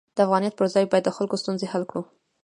د افغانیت پر ځای باید د خلکو ستونزې حل کړو.